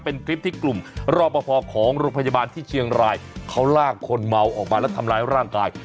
เป็นคลิปที่กลุ่มรอปภของโรงพยาบาลที่เชียงรายเขาลากคนเมาออกมาแล้วทำร้ายร่างกาย